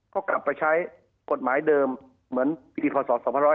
ก็กลับไปใช้กฎหมายเดิมเหมือนปีพศ๒๕๖๒